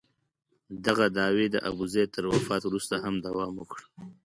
دغه دعوې د ابوزید تر وفات وروسته هم دوام وکړ.